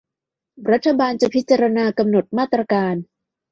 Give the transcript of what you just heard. รัฐบาลจะพิจารณากำหนดมาตรการ